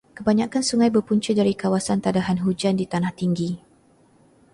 Kebanyakan sungai berpunca dari kawasan tadahan hujan di tanah tinggi.